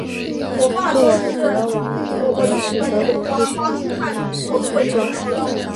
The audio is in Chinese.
布尔格瓦尔德是德国黑森州的一个市镇。